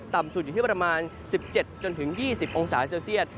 ต่ำสุดอยู่ที่ประมาณ๑๗๒๐องศาเซลเซียต